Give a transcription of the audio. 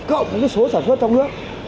cộng với số sản xuất trong nước